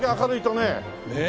ねえ。